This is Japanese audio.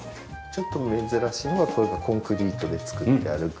ちょっと珍しいのがこれがコンクリートで作ってある。